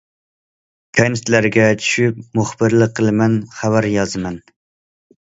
كەنتلەرگە چۈشۈپ، مۇخبىرلىق قىلىمەن، خەۋەر يازىمەن.